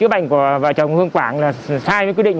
bà chồng hương quảng sai quyết định